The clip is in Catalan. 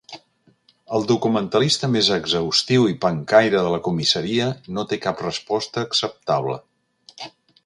El documentalista més exhaustiu i pencaire de la comissaria no té cap resposta acceptable.